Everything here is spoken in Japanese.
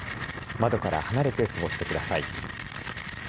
窓から離れて過ごしてください。